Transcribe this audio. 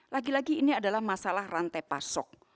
lagi lagi ini adalah masalah rantai pasok